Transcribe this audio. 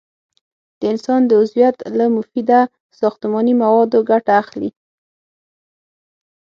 د انسان د عضویت له مفیده ساختماني موادو ګټه اخلي.